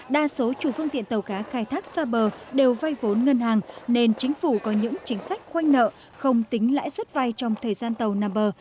đa số chủ phương tiện tàu cá khai thác xa bờ đều vay vốn ngân hàng nên chính phủ có những chính sách khoanh nợ không tính lãi suất vay trong thời gian tàu nằm bờ